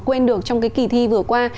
quên được trong cái kỳ thi vừa qua